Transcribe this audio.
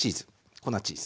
粉チーズ。